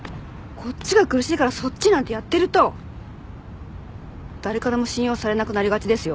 こっちが苦しいからそっちなんてやってると誰からも信用されなくなりがちですよ。